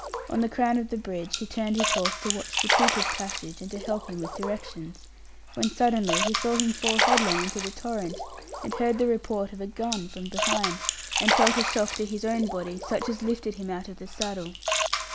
On the crown of the bridge he turned his horse to watch the trooper's passage, and to help him with directions; when suddenly he saw him fall headlong into the torrent, and heard the report of a gun from behind, and felt a shock to his own body, such as lifted him out of the saddle.